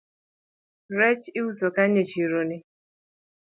Rech iuso kanye e chironi